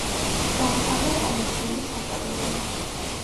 დაამთავრა კომერციული სასწავლებელი.